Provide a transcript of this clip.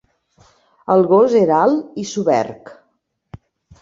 El gos era alt i soberg.